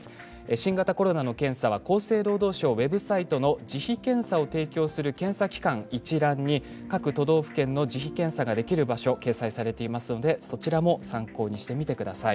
新型コロナの検査は厚生労働省ウェブサイトの自費検査を提供する検査機関一覧に各都道府県の自費検査ができる場所が掲載されていますので、そちらも参考にしてみてください。